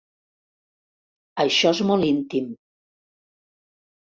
Això és molt íntim.